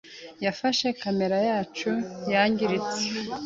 yafashe kamere yacu yangiritse.